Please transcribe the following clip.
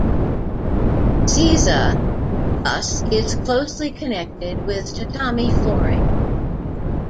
"Seiza" thus is closely connected with "tatami" flooring.